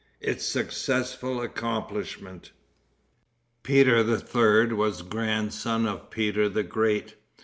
Its Successful Accomplishment. Peter the Third was grandson of Peter the Great.